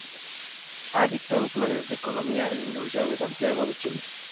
Ha dictado clases de economía en la Universidad de Santiago de Chile.